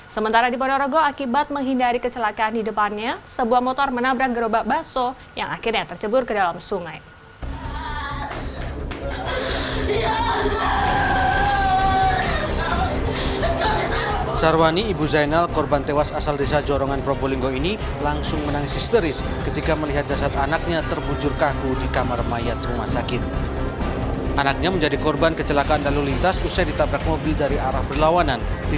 sementara di ponorogo akibat menghindari kecelakaan di depannya sebuah motor menabrak gerobak baso yang akhirnya tercebur ke dalam sungai